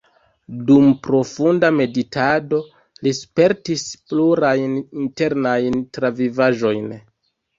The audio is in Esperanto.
Dum profunda meditado li spertis plurajn internajn travivaĵojn.